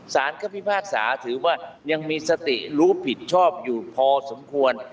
สารก็พิพากษาถือว่ายังมีสติรู้ผิดชอบอยู่พอสมควร